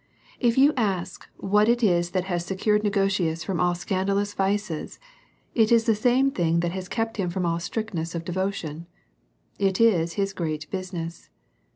If you ask what it is that has secured Negotius from all scandalous vices, .it is the same thing that has kept him from all strictness of devotion ; it is his great bu siness.